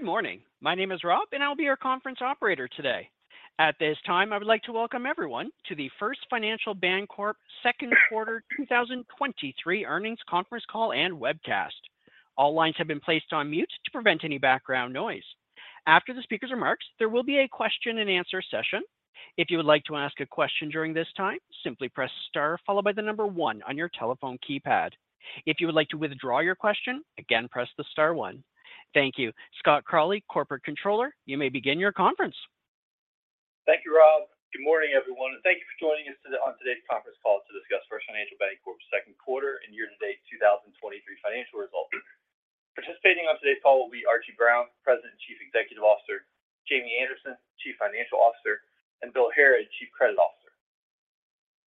Good morning. My name is Rob, I'll be your conference operator today. At this time, I would like to welcome everyone to the First Financial Bancorp second quarter 2023 earnings conference call and webcast. All lines have been placed on mute to prevent any background noise. After the speaker's remarks, there will be a question and answer session. If you would like to ask a question during this time, simply press star followed by the one on your telephone keypad. If you would like to withdraw your question, again, press the star one. Thank you. Scott Crawley, Corporate Controller, you may begin your conference. Thank you, Rob. Good morning, everyone, thank you for joining us today on today's conference call to discuss First Financial Bancorp's second quarter and year-to-date 2023 financial results. Participating on today's call will be Archie Brown, President and Chief Executive Officer; Jamie Anderson, Chief Financial Officer; and Bill Harrod, Chief Credit Officer.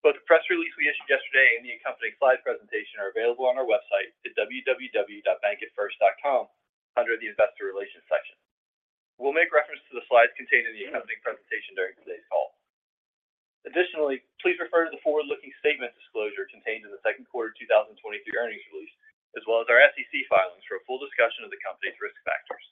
Both the press release we issued yesterday and the accompanying slide presentation are available on our website at www.bankatfirst.com under the Investor Relations section. We'll make reference to the slides contained in the accompanying presentation during today's call. Additionally, please refer to the forward-looking statement disclosure contained in the second quarter 2023 earnings release, as well as our SEC filings for a full discussion of the company's risk factors.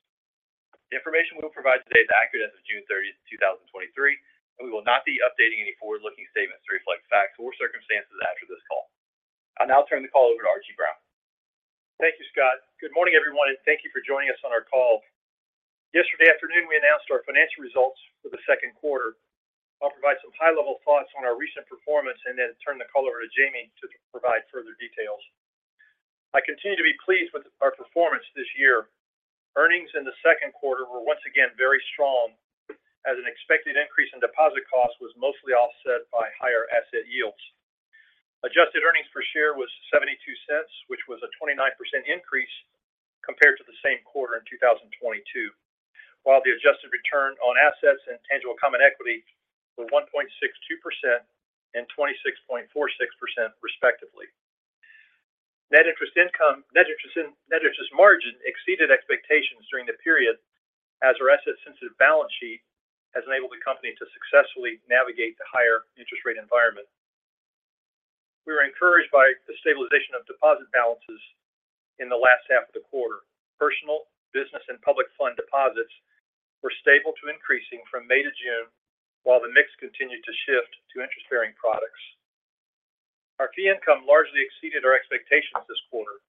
The information we will provide today is accurate as of June thirtieth, two thousand and twenty-three, and we will not be updating any forward-looking statements to reflect facts or circumstances after this call. I'll now turn the call over to Archie Brown. Thank you, Scott. Good morning, everyone, thank you for joining us on our call. Yesterday afternoon, we announced our financial results for the second quarter. I'll provide some high-level thoughts on our recent performance and then turn the call over to Jamie to provide further details. I continue to be pleased with our performance this year. Earnings in the second quarter were once again very strong, as an expected increase in deposit costs was mostly offset by higher asset yields. Adjusted earnings per share was $0.72, which was a 29% increase compared to the same quarter in 2022, while the adjusted return on assets and tangible common equity were 1.62% and 26.46%, respectively. Net interest margin exceeded expectations during the period, as our asset-sensitive balance sheet has enabled the company to successfully navigate the higher interest rate environment. We were encouraged by the stabilization of deposit balances in the last half of the quarter. Personal, business, and public fund deposits were stable to increasing from May to June, while the mix continued to shift to interest-bearing products. Our fee income largely exceeded our expectations this quarter,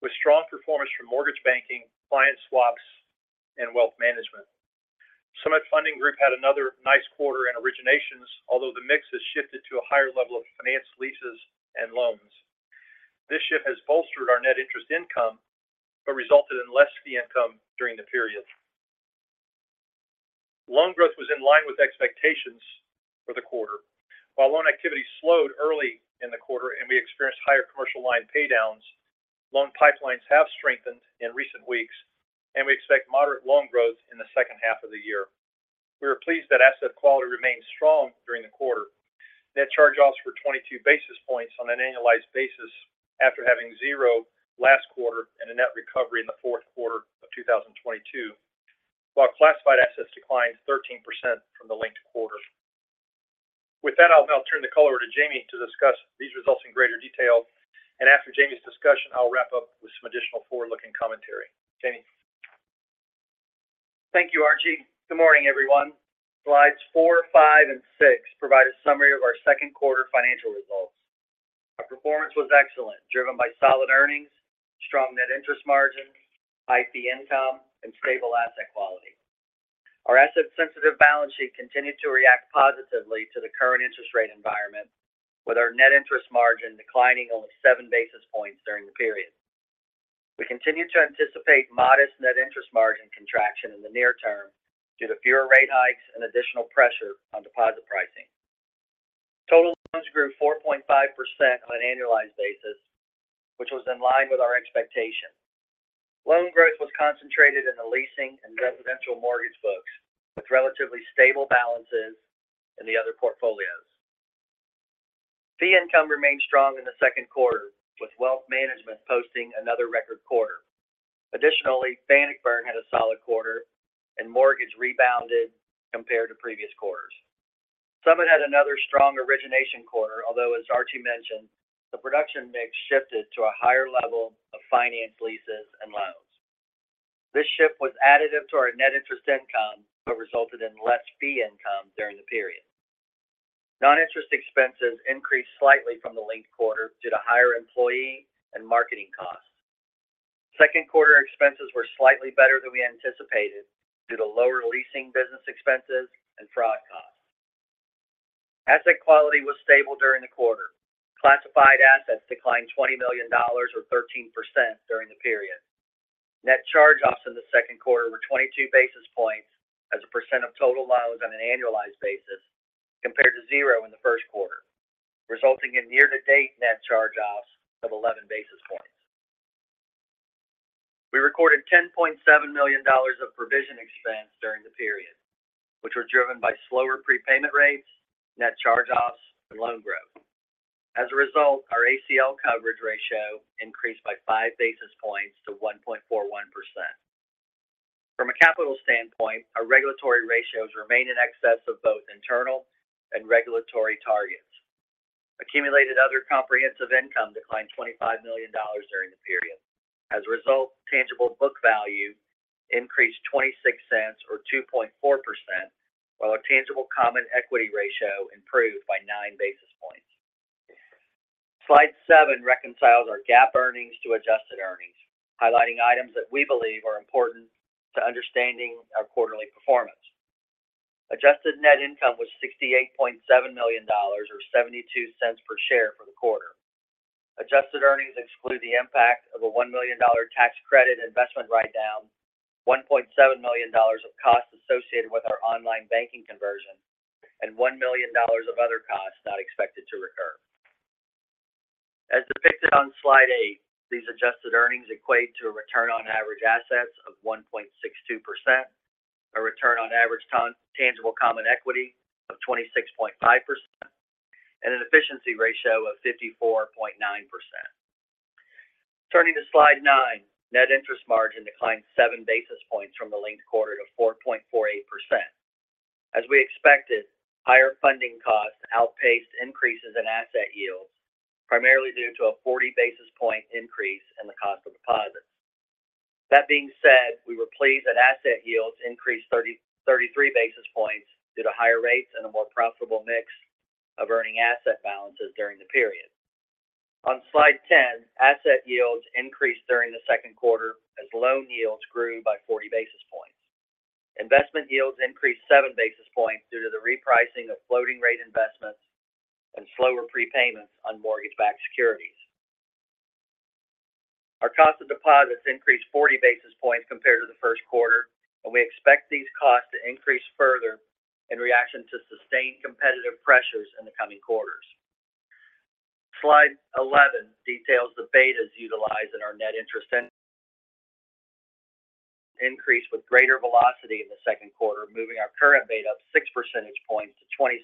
with strong performance from mortgage banking, client swaps, and wealth management. Summit Funding Group had another nice quarter in originations, although the mix has shifted to a higher level of finance leases and loans. This shift has bolstered our net interest income, resulted in less fee income during the period. Loan growth was in line with expectations for the quarter. While loan activity slowed early in the quarter and we experienced higher commercial line paydowns, loan pipelines have strengthened in recent weeks, and we expect moderate loan growth in the second half of the year. We are pleased that asset quality remained strong during the quarter. Net charge-offs were 22 basis points on an annualized basis after having zero last quarter and a net recovery in the fourth quarter of 2022, while classified assets declined 13% from the linked quarter. With that, I'll now turn the call over to Jamie to discuss these results in greater detail, and after Jamie's discussion, I'll wrap up with some additional forward-looking commentary. Jamie? Thank you, Archie. Good morning, everyone. Slides four, five, and six provide a summary of our second quarter financial results. Our performance was excellent, driven by solid earnings, strong net interest margin, high fee income, and stable asset quality. Our asset-sensitive balance sheet continued to react positively to the current interest rate environment, with our net interest margin declining only seven basis points during the period. We continue to anticipate modest net interest margin contraction in the near term due to fewer rate hikes and additional pressure on deposit pricing. Total loans grew 4.5% on an annualized basis, which was in line with our expectation. Loan growth was concentrated in the leasing and residential mortgage books, with relatively stable balances in the other portfolios. Fee income remained strong in the second quarter, with wealth management posting another record quarter. Bannockburn had a solid quarter, and mortgage rebounded compared to previous quarters. Summit had another strong origination quarter, although, as Archie mentioned, the production mix shifted to a higher level of finance leases and loans. This shift was additive to our net interest income, but resulted in less fee income during the period. Non-interest expenses increased slightly from the linked quarter due to higher employee and marketing costs. Second quarter expenses were slightly better than we anticipated due to lower leasing business expenses and fraud costs. Asset quality was stable during the quarter. Classified assets declined $20 million or 13% during the period. Net charge-offs in the second quarter were 22 basis points as a percent of total loans on an annualized basis compared to zero in the first quarter, resulting in year-to-date net charge-offs of 11 basis points. We recorded $10.7 million of provision expense during the period, which were driven by slower prepayment rates, net charge-offs, and loan growth. As a result, our ACL coverage ratio increased by 5 basis points to 1.41%. From a capital standpoint, our regulatory ratios remain in excess of both internal and regulatory targets. Accumulated other comprehensive income declined $25 million during the period. As a result, tangible book value increased $0.26 or 2.4%, while our tangible common equity ratio improved by 9 basis points. Slide seven reconciles our GAAP earnings to adjusted earnings, highlighting items that we believe are important to understanding our quarterly performance. Adjusted net income was $68.7 million, or $0.72 per share for the quarter. Adjusted earnings exclude the impact of a $1 million tax credit investment write-down, $1.7 million of costs associated with our online banking conversion, $1 million of other costs not expected to recur. As depicted on slide eight, these adjusted earnings equate to a return on average assets of 1.62%, a return on average tangible common equity of 26.5%, an efficiency ratio of 54.9%. Turning to slide nine, net interest margin declined 7 basis points from the linked quarter to 4.48%. As we expected, higher funding costs outpaced increases in asset yields, primarily due to a 40 basis point increase in the cost of deposits. That being said, we were pleased that asset yields increased 33 basis points due to higher rates and a more profitable mix of earning asset balances during the period. On slide 10, asset yields increased during the second quarter as loan yields grew by 40 basis points. Investment yields increased 7 basis points due to the repricing of floating rate investments and slower prepayments on mortgage-backed securities. Our cost of deposits increased 40 basis points compared to the first quarter. We expect these costs to increase further in reaction to sustained competitive pressures in the coming quarters. Slide 11 details the betas utilized in our net interest income increase with greater velocity in the second quarter, moving our current beta up 6 percentage points to 27%,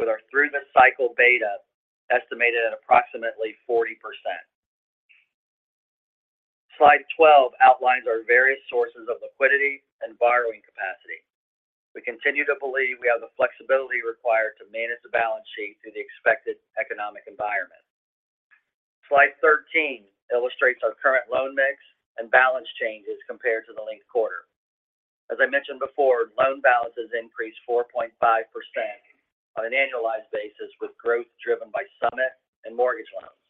with our through-the-cycle beta estimated at approximately 40%. Slide 12 outlines our various sources of liquidity and borrowing capacity. We continue to believe we have the flexibility required to manage the balance sheet through the expected economic environment. Slide 13 illustrates our current loan mix and balance changes compared to the linked quarter. As I mentioned before, loan balances increased 4.5% on an annualized basis, with growth driven by Summit and mortgage loans.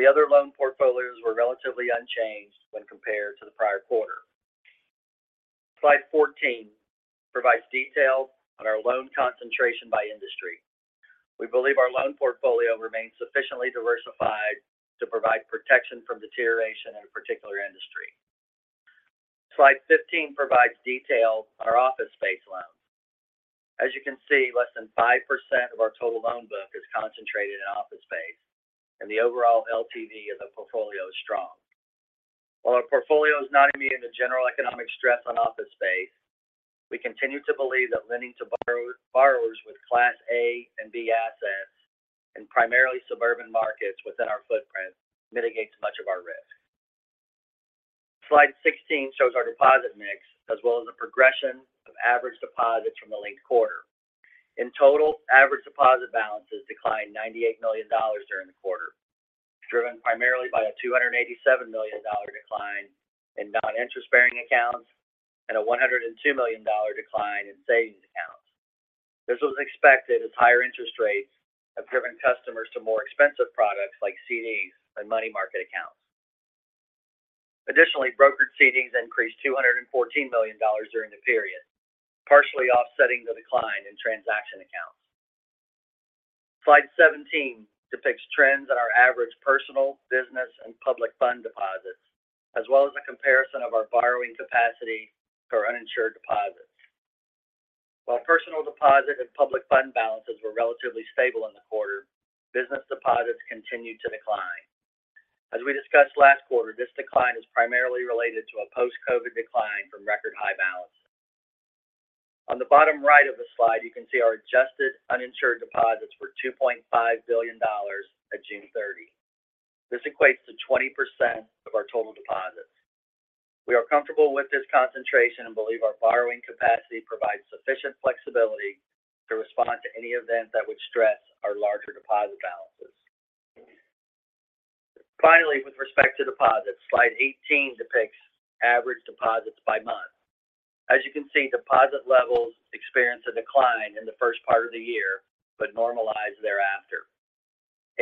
The other loan portfolios were relatively unchanged when compared to the prior quarter. Slide 14 provides detail on our loan concentration by industry. We believe our loan portfolio remains sufficiently diversified to provide protection from deterioration in a particular industry. Slide 15 provides detail on our office space loans. As you can see, less than 5% of our total loan book is concentrated in office space, and the overall LTV of the portfolio is strong. While our portfolio is not immune to general economic stress on office space, we continue to believe that lending to borrowers with Class A and B assets in primarily suburban markets within our footprint mitigates much of our risk. Slide 16 shows our deposit mix, as well as the progression of average deposits from the linked quarter. In total, average deposit balances declined $98 million during the quarter, driven primarily by a $287 million decline in non-interest-bearing accounts and a $102 million decline in savings accounts. This was expected as higher interest rates have driven customers to more expensive products like CDs and money market accounts. Brokered CDs increased $214 million during the period, partially offsetting the decline in transaction accounts. Slide 17 depicts trends in our average personal, business, and public fund deposits, as well as a comparison of our borrowing capacity to our uninsured deposits. While personal deposit and public fund balances were relatively stable in the quarter, business deposits continued to decline. As we discussed last quarter, this decline is primarily related to a post-COVID decline from record high balances. On the bottom right of the slide, you can see our adjusted uninsured deposits were $2.5 billion at June 30. This equates to 20% of our total deposits. We are comfortable with this concentration and believe our borrowing capacity provides sufficient flexibility to respond to any event that would stress our larger deposit balances. Finally, with respect to deposits, slide 18 depicts average deposits by month. As you can see, deposit levels experienced a decline in the first part of the year, but normalized thereafter.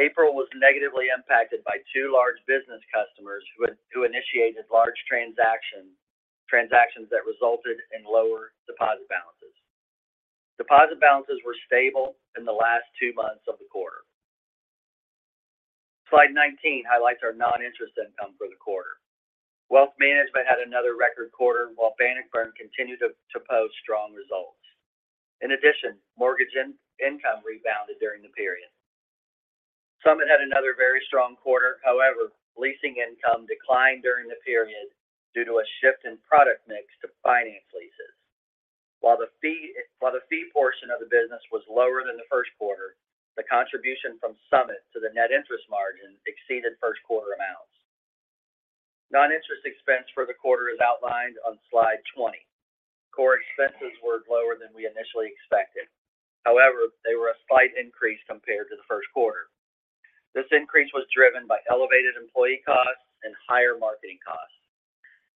April was negatively impacted by two large business customers who initiated large transactions that resulted in lower deposit balances. Deposit balances were stable in the last two months of the quarter. Slide 19 highlights our non-interest income for the quarter. Wealth management had another record quarter, while Bannockburn continued to post strong results. In addition, mortgage income rebounded during the period. Summit had another very strong quarter. However, leasing income declined during the period due to a shift in product mix to finance leases. While the fee portion of the business was lower than the first quarter, the contribution from Summit to the net interest margin exceeded first quarter amounts. Non-interest expense for the quarter is outlined on slide 20. Core expenses were lower than we initially expected. They were a slight increase compared to the first quarter. This increase was driven by elevated employee costs and higher marketing costs.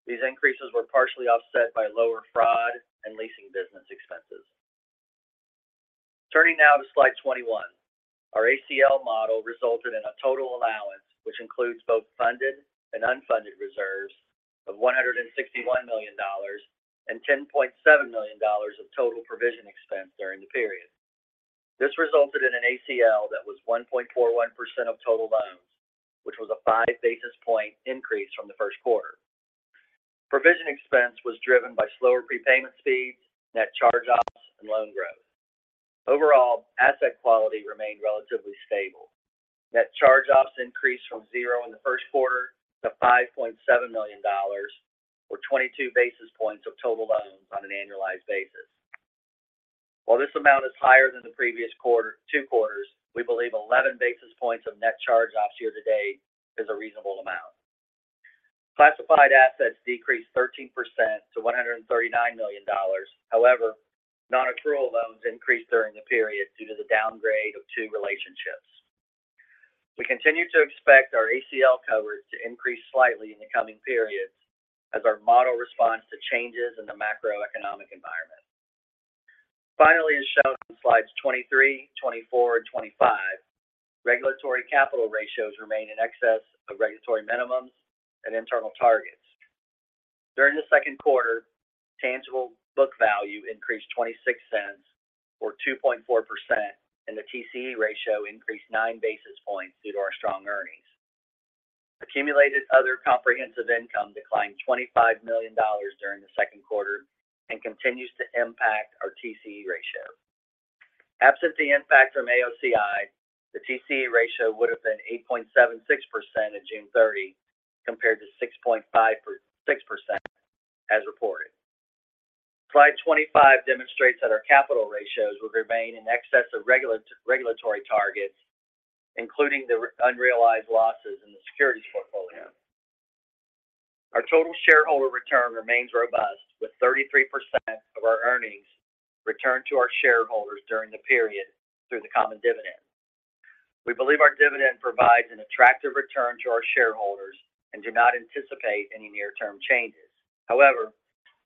These increases were partially offset by lower fraud and leasing business expenses. Turning now to slide 21, our ACL model resulted in a total allowance, which includes both funded and unfunded reserves of $161 million and $10.7 million of total provision expense during the period. This resulted in an ACL that was 1.41% of total loans, which was a five basis point increase from the first quarter. Provision expense was driven by slower prepayment speeds, net charge-offs, and loan growth. Overall, asset quality remained relatively stable. Net charge-offs increased from zero in the first quarter to $5.7 million, or 22 basis points of total loans on an annualized basis. While this amount is higher than the previous two quarters, we believe 11 basis points of net charge-offs year to date is a reasonable amount. Classified assets decreased 13% to $139 million. Nonaccrual loans increased during the period due to the downgrade of two relationships. We continue to expect our ACL coverage to increase slightly in the coming periods as our model responds to changes in the macroeconomic environment. As shown on slides 23, 24, and 25, regulatory capital ratios remain in excess of regulatory minimums and internal targets. During the second quarter, tangible book value increased $0.26 or 2.4%, and the TCE ratio increased 9 basis points due to our strong earnings. Accumulated other comprehensive income declined $25 million during the second quarter and continues to impact our TCE ratio. Absent the impact from AOCI, the TCE ratio would have been 8.76% on June 30, compared to 6.56% as reported. Slide 25 demonstrates that our capital ratios will remain in excess of regulatory targets, including the unrealized losses in the securities portfolio. Our total shareholder return remains robust, with 33% of our earnings returned to our shareholders during the period through the common dividend. We believe our dividend provides an attractive return to our shareholders and do not anticipate any near-term changes. However,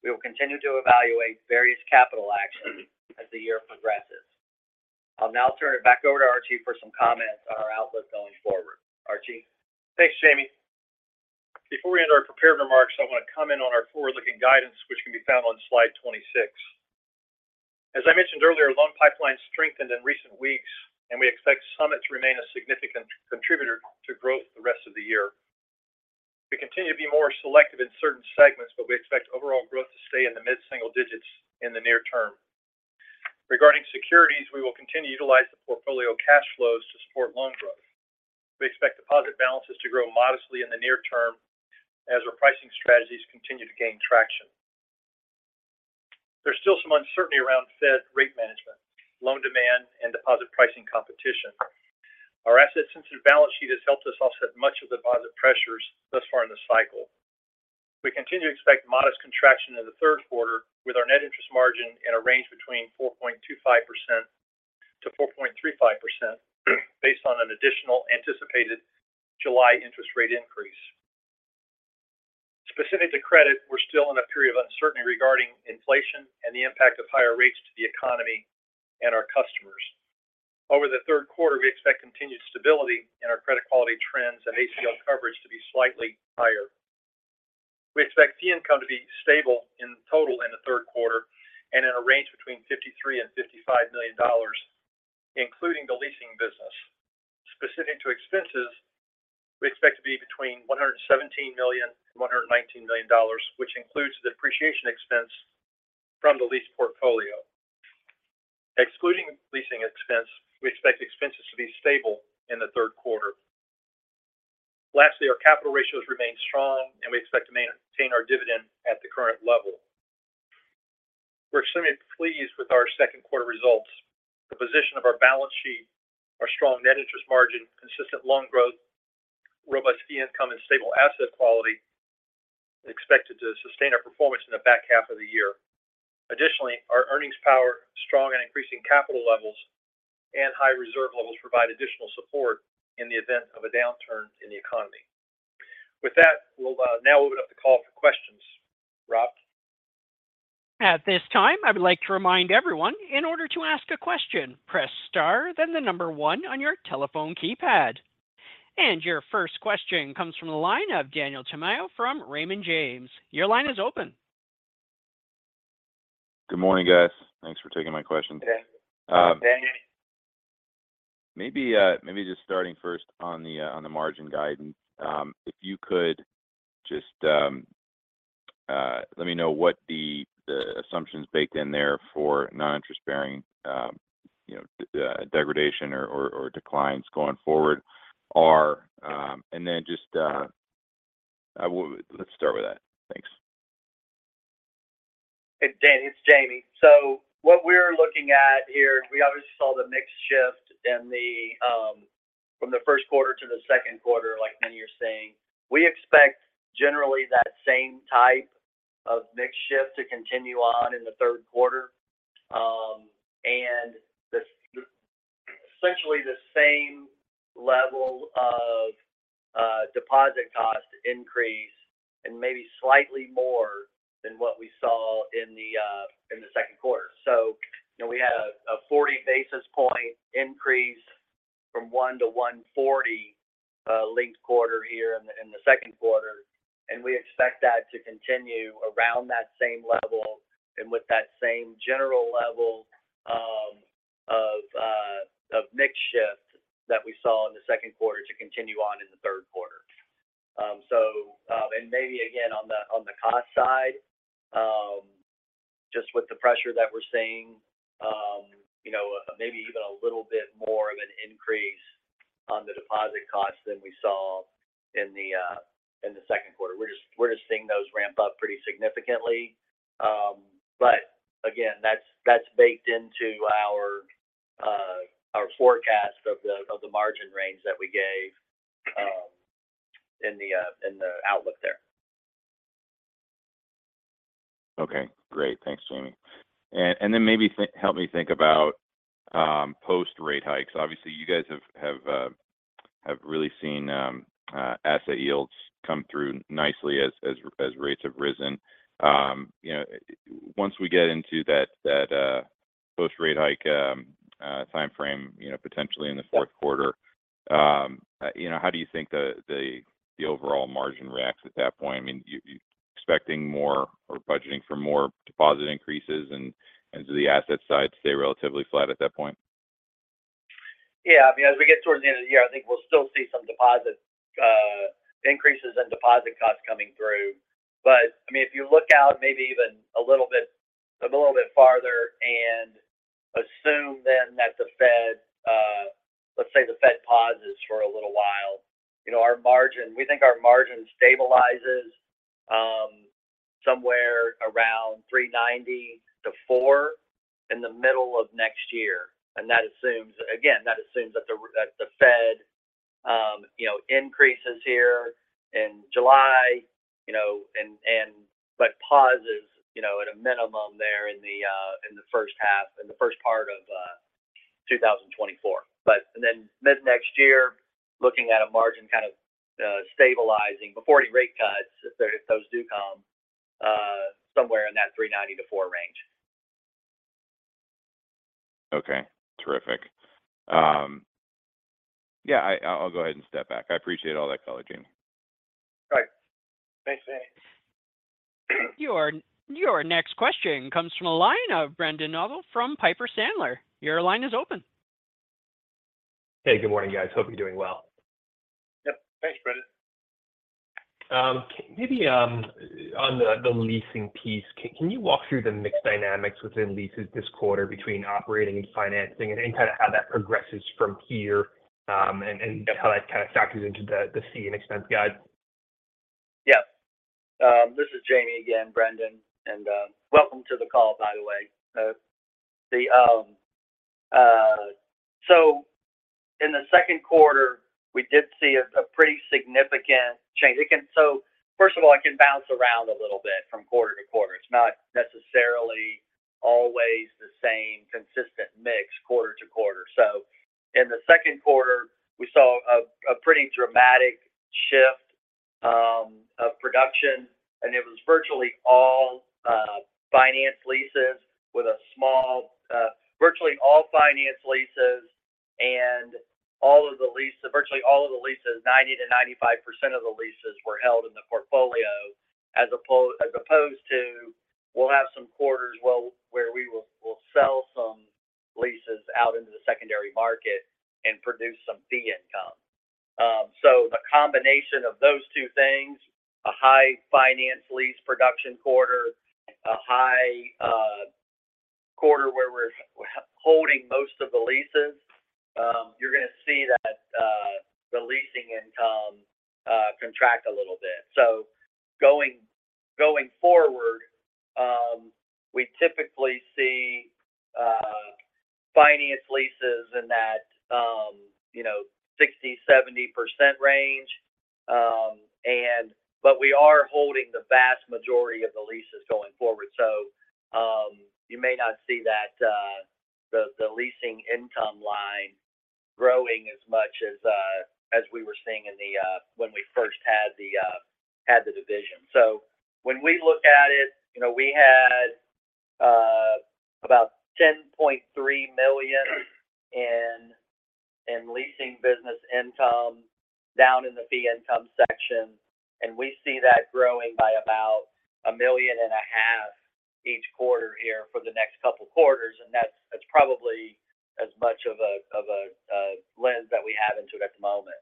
we will continue to evaluate various capital actions as the year progresses. I'll now turn it back over to Archie for some comments on our outlook going forward. Archie? Thanks, Jamie. Before we end our prepared remarks, I want to comment on our forward-looking guidance, which can be found on slide 26. As I mentioned earlier, loan pipeline strengthened in recent weeks, and we expect Summit to remain a significant contributor to growth the rest of the year. We continue to be more selective in certain segments, but we expect overall growth to stay in the mid-single digits in the near term. Regarding securities, we will continue to utilize the portfolio cash flows to support loan growth. We expect deposit balances to grow modestly in the near term as our pricing strategies continue to gain traction. There's still some uncertainty around Fed rate management, loan demand, and deposit pricing competition. Our asset-sensitive balance sheet has helped us offset much of the deposit pressures thus far in the cycle. We continue to expect modest contraction in the third quarter, with our net interest margin in a range between 4.25%-4.35%, based on an additional anticipated July interest rate increase. Specific to credit, we're still in a period of uncertainty regarding inflation and the impact of higher rates to the economy and our customers. Over the third quarter, we expect continued stability in our credit quality trends and ACL coverage to be slightly higher. We expect fee income to be stable in total in the third quarter and in a range between $53 million and $55 million, including the leasing business. Specific to expenses, we expect to be between $117 million and $119 million, which includes the depreciation expense from the lease portfolio. Excluding the leasing expense, we expect expenses to be stable in the third quarter. Our capital ratios remain strong. We expect to maintain our dividend at the current level. We're extremely pleased with our second quarter results. The position of our balance sheet, our strong net interest margin, consistent loan growth, robust fee income, and stable asset quality are expected to sustain our performance in the back half of the year. Our earnings power, strong and increasing capital levels, and high reserve levels provide additional support in the event of a downturn in the economy. With that, we'll now open up the call for questions. Rob? At this time, I would like to remind everyone in order to ask a question, press Star, then 1 on your telephone keypad. Your first question comes from the line of Daniel Tamayo from Raymond James. Your line is open. Good morning, guys. Thanks for taking my question. Good day, Daniel. Maybe just starting first on the, on the margin guidance, if you could just let me know what the assumptions baked in there for non-interest bearing, you know, degradation or declines going forward are. Just, well, let's start with that. Thanks. Dan, it's Jamie. What we're looking at here is we obviously saw the mix shift in the from the first quarter to the second quarter, like many are saying. We expect generally that same type of mix shift to continue on in the third quarter. Essentially the same level of deposit cost increase and maybe slightly more than what we saw in the second quarter. You know, we had a 40 basis points increase from 1-140 linked quarter here in the second quarter, and we expect that to continue around that same level and with that same general level of mix shift that we saw in the second quarter to continue on in the third quarter. Maybe again, on the cost side, just with the pressure that we're seeing, you know, maybe even a little bit more of an increase on the deposit costs than we saw in the second quarter. We're just seeing those ramp up pretty significantly. But again, that's baked into our forecast of the margin range that we gave in the outlook there. Okay, great. Thanks, Jamie. Maybe help me think about post rate hikes. Obviously, you guys have really seen asset yields come through nicely as rates have risen. You know, once we get into that post rate hike time frame, you know, potentially in the fourth quarter, you know, how do you think the overall margin reacts at that point? I mean, you expecting more or budgeting for more deposit increases, and do the asset side stay relatively flat at that point? Yeah, I mean, as we get towards the end of the year, I think we'll still see some deposit increases in deposit costs coming through. I mean, if you look out maybe even a little bit, a little bit farther and assume then that the Fed, let's say the Fed pauses for a little while, you know, we think our margin stabilizes somewhere around 3.90%-4.00% in the middle of next year. That assumes, again, that assumes that the Fed, you know, increases here in July, you know, and but pauses, you know, at a minimum there in the first part of 2024. Mid-next year, looking at a margin kind of stabilizing before any rate cuts, if those do come, somewhere in that 3.90%-4% range. Okay. Terrific. Yeah, I'll go ahead and step back. I appreciate all that color, Jamie. Right. Thanks, Danny. Your next question comes from the line of Brendan Nosal from Piper Sandler. Your line is open. Hey, good morning, guys. Hope you're doing well. Yep. Thanks, Brendan. Maybe, on the leasing piece, can you walk through the mix dynamics within leases this quarter between operating and financing and kind of how that progresses from here, and how that kind of factors into the C&I and expense guide? Yes. This is Jamie again, Brendan, welcome to the call, by the way. In the second quarter, we did see a pretty significant change. First of all, it can bounce around a little bit from quarter to quarter. It's not necessarily always the same consistent mix quarter to quarter. In the second quarter, we saw a pretty dramatic shift of production, it was virtually all finance leases with a small, virtually all finance leases and all of the leases, virtually all of the leases, 90%-95% of the leases were held in the portfolio, as opposed to, we'll have some quarters well, where we'll sell some leases out into the secondary market and produce some fee income. So the combination of those two things, a high finance lease production quarter, a high quarter where we're holding most of the leases, you're gonna see that the leasing income contract a little bit. Going, going forward, we typically see finance leases in that, you know, 60%-70% range. But we are holding the vast majority of the leases going forward. You may not see that the leasing income line growing as much as we were seeing in the when we first had the division. When we look at it, you know, we had about $10.3 million in leasing business income down in the fee income section. We see that growing by about $1.5 million each quarter here for the next couple of quarters. That's probably as much of a lens that we have into it at the moment.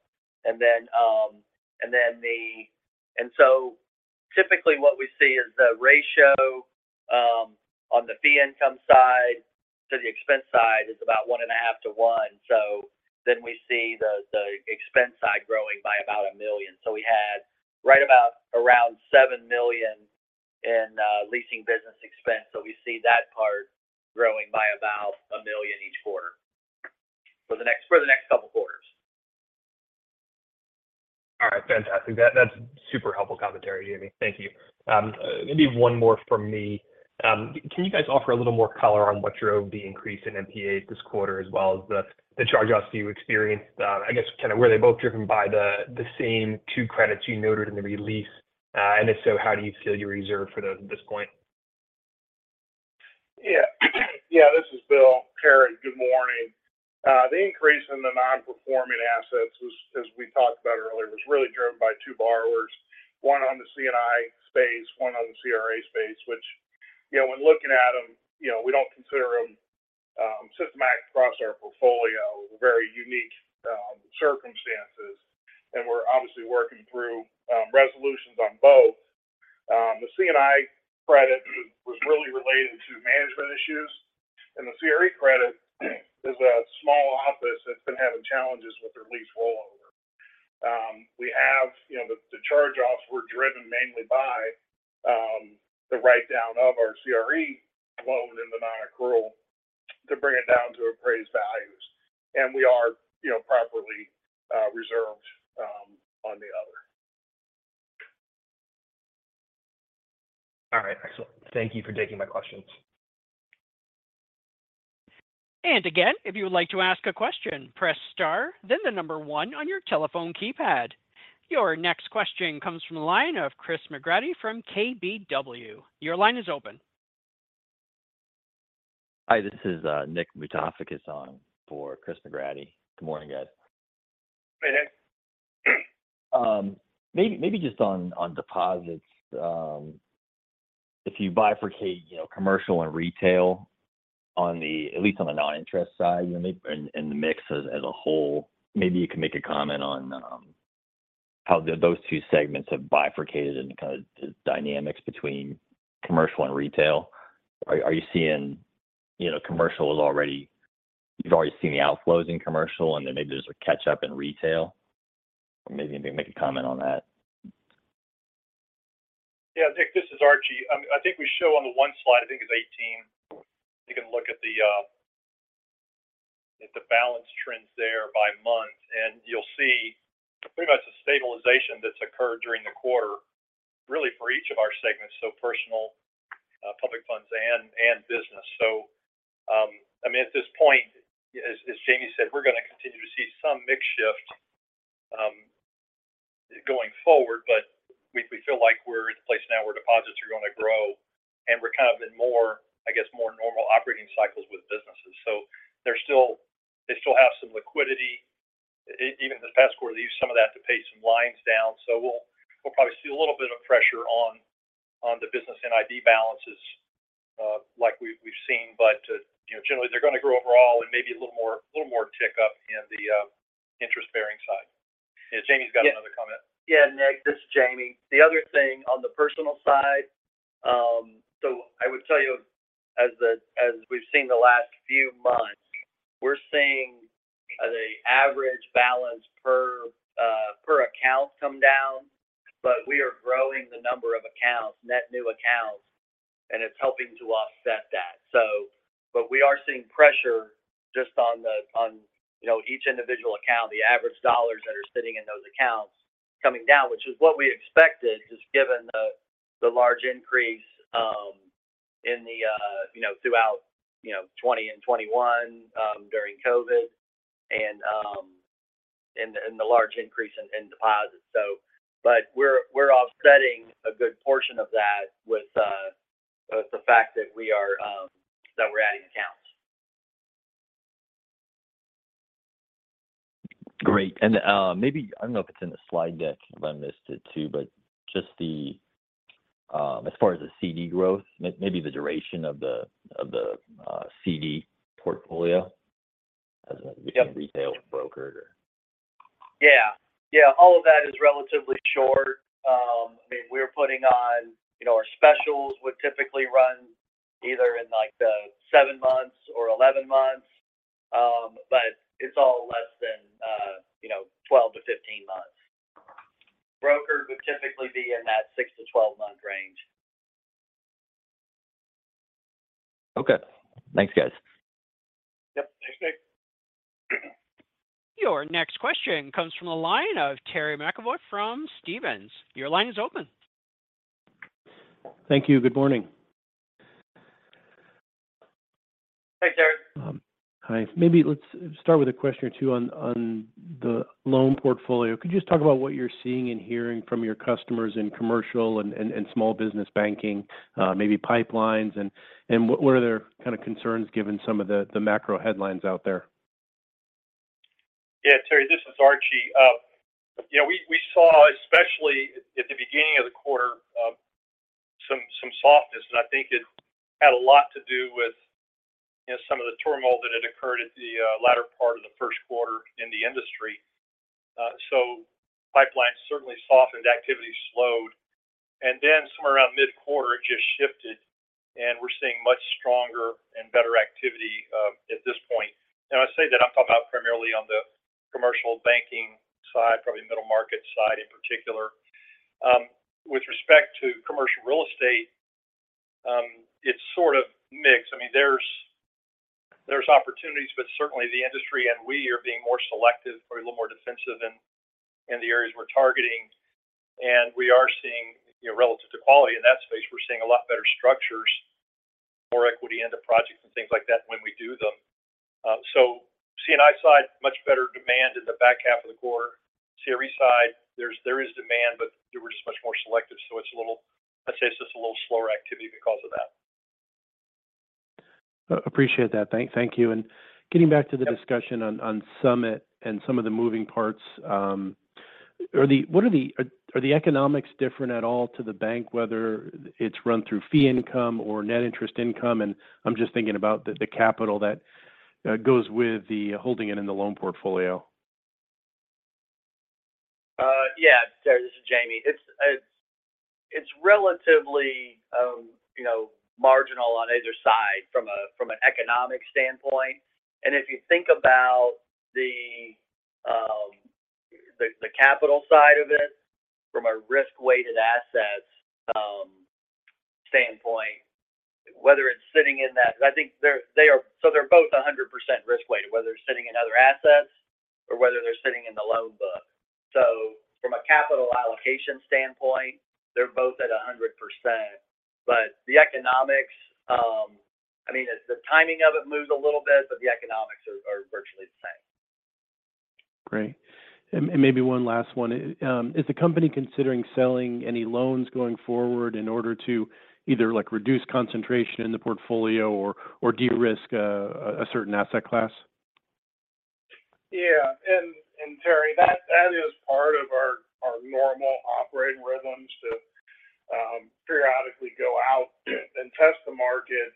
Typically what we see is the ratio on the expense side is about 1.5-1. We see the expense side growing by about $1 million. We had right about around $7 million in leasing business expense. We see that part growing by about $1 million each quarter for the next couple quarters. All right. Fantastic. That's super helpful commentary, Jamie. Thank you. Maybe one more from me. Can you guys offer a little more color on what your OB increase in NPA this quarter, as well as the charge-offs you experienced? I guess, kind of were they both driven by the same two credits you noted in the release? If so, how do you feel your reserve for this point? Yeah. This is Bill Harrod. Good morning. The increase in the non-performing assets was, as we talked about earlier, really driven by two borrowers, one on the C&I space, one on the CRE space, which, you know, when looking at them, you know, we don't consider them systematic across our portfolio. Very unique circumstances, we're obviously working through resolutions on both. The C&I credit was really related to management issues, the CRE credit is a small office that's been having challenges with their lease rollover. We have, you know, the charge-offs were driven mainly by the write-down of our CRE loan in the nonaccrual to bring it down to appraised values. We are, you know, properly reserved on the other. All right. Excellent. Thank you for taking my questions. Again, if you would like to ask a question, press star, then one on your telephone keypad. Your next question comes from the line of Chris McGratty from KBW. Your line is open. Hi, this is Nick Moutafakis on for Chris McGratty. Good morning, guys. Hey, Nick. Maybe just on deposits, if you bifurcate, you know, commercial and retail at least on the non-interest side, you know, maybe in the mix as a whole, maybe you can make a comment on how those two segments have bifurcated and kind of the dynamics between commercial and retail. Are you seeing, you know, you've already seen the outflows in commercial, and then maybe there's a catch-up in retail? Maybe you can make a comment on that. Yeah, Nick, this is Archie. I think we show on the one slide, I think it's 18. You can look at the balance trends there by month, and you'll see pretty much the stabilization that's occurred during the quarter, really for each of our segments, so personal, public funds, and business. I mean, at this point, as Jamie said, we're going to continue to see some mix shift the fact that we are that we're adding accounts. Great. maybe, I don't know if it's in the slide deck, if I missed it, too, but just the, as far as the CD growth, maybe the duration of the CD portfolio. Yep between retail and brokered? Yeah. Yeah, all of that is relatively short. I mean, we're putting on, you know, our specials would typically run either in, like, the seven months or 11 months, but it's all less than, you know, 12-15 months. brokered would typically be in that 6-12 month range. Okay. Thanks, guys. Yep. Thanks, Nick. Your next question comes from the line of Terry McEvoy from Stephens. Your line is open. Thank you. Good morning. Hi, Terry. Hi. Maybe let's start with a question or two on the loan portfolio. Could you just talk about what you're seeing and hearing from your customers in commercial and small business banking, maybe pipelines and what are their kind of concerns, given some of the macro headlines out there? Yeah, Terry, this is Archie. You know, we saw, especially at the beginning of the quarter, some softness, and I think it had a lot to do with, you know, some of the turmoil that had occurred at the latter part of the 1st quarter in the industry. Pipelines certainly softened, activity slowed. Somewhere around mid-quarter, it just shifted, and we're seeing much stronger and better activity at this point. Now, I say that I'm talking about primarily on the commercial banking side, probably middle market side in particular. With respect to commercial real estate, it's sort of mixed. I mean, there's opportunities, but certainly the industry and we are being more selective or a little more defensive in the areas we're targeting. We are seeing, you know, relative to quality in that space, we're seeing a lot better structures, more equity into projects and things like that when we do them. C&I side, much better demand in the back half of the quarter. CRE side, there is demand, but we're just much more selective, so it's I'd say it's just a little slower activity because of that. Appreciate that. Thank you. Getting back to the discussion on Summit and some of the moving parts, what are the economics different at all to the bank, whether it's run through fee income or net interest income? I'm just thinking about the capital that goes with holding it in the loan portfolio. Yeah. Terry, this is Jamie. It's relatively, you know, marginal on either side from a, from an economic standpoint. If you think about the capital side of it from a risk-weighted asset standpoint, because I think they are so they're both 100% risk-weighted, whether they're sitting in other assets or whether they're sitting in the loan book. From a capital allocation standpoint, they're both at 100%. The economics, I mean, it's the timing of it moves a little bit, but the economics are virtually the same. Great. Maybe one last one. Is the company considering selling any loans going forward in order to either, like, reduce concentration in the portfolio or de-risk a certain asset class? Yeah. Terry, that is part of our normal operating rhythms to periodically go out and test the market,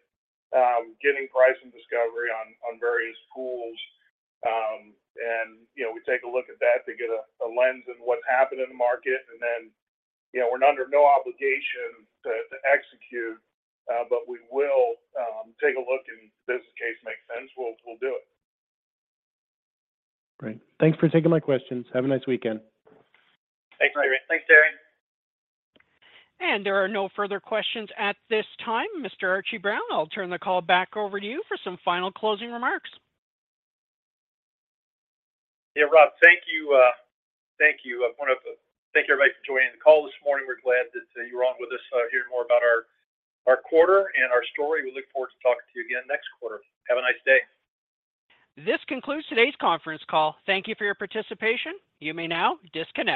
getting pricing discovery on various pools. You know, we take a look at that to get a lens in what's happened in the market, and then, you know, we're under no obligation to execute, but we will take a look, and if this case makes sense, we'll do it. Great. Thanks for taking my questions. Have a nice weekend. Thanks, Terry. Thanks, Terry. There are no further questions at this time. Mr. Archie Brown, I'll turn the call back over to you for some final closing remarks. Yeah, Rob, thank you. Thank you. I want to thank everybody for joining the call this morning. We're glad that you were on with us to hear more about our quarter and our story. We look forward to talking to you again next quarter. Have a nice day. This concludes today's conference call. Thank you for your participation. You may now disconnect.